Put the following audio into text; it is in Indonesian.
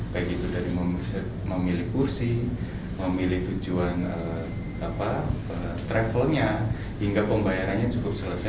baik itu dari memilih kursi memilih tujuan travelnya hingga pembayarannya cukup selesai